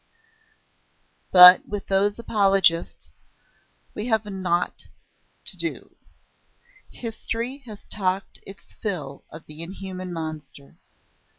But with those apologists we have naught to do. History has talked its fill of the inhuman monster.